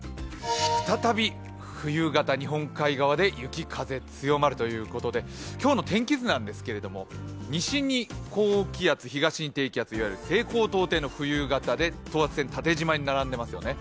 再び冬型、日本海側で雪、風強まるということで、今日の天気図なんですけれども、西に高気圧、東に低気圧、いわゆる西高東低の冬型で等圧線、縦じまに並んでいますよね。